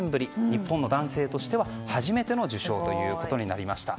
日本の男性としては初めての受賞ということになりました。